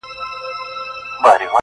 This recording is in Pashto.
د حج پچه کي هم نوم د خان را ووت ,